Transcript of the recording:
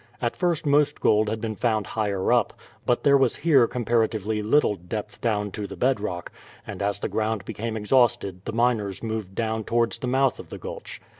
At first most gold had been found higher up, but there was here comparatively little depth down to the bedrock, and as the ground became exhausted the miners moved down towards the mouth of the Gulch.